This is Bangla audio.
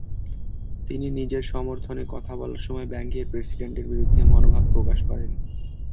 তিনি নিজের সমর্থনে কথা বলার সময় ব্যাংকের প্রেসিডেন্টের বিরুদ্ধে মনোভাব প্রকাশ করেন।